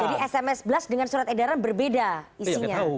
jadi sms blast dengan surat edaran berbeda